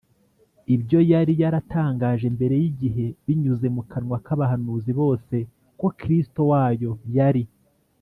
ibyo yari yaratangaje mbere y igihe binyuze mu kanwa k abahanuzi bose ko Kristo wayo yari